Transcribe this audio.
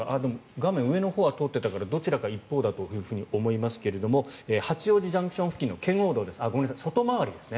画面、上のほうは通っていたからどちらか一方だとは思いますが八王子ＪＣＴの圏央道です。